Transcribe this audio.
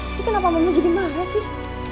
itu kenapa mama jadi marah sih